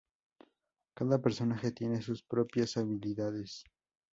Cada personaje tiene sus propias habilidades.